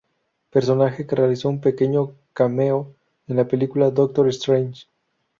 Personaje que realizó un pequeño cameo en la película Doctor Strange.